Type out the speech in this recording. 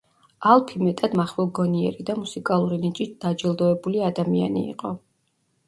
ალფი მეტად მახვილგონიერი და მუსიკალური ნიჭით დაჯილდოებული ადამიანი იყო.